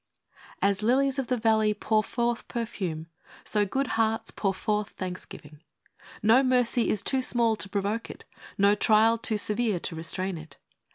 A S lilies of the valley pour forth perfume, so good hearts pour forth thanksgiving. No mercy is too small to provoke it, no trial too severe to restrain it.